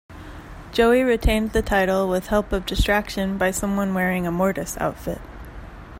Joey retained the title with help of distraction by someone wearing a Mortis outfit.